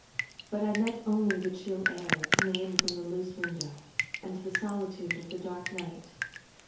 But I met only the chill air coming in from the loose window, and the solitude of the dark night.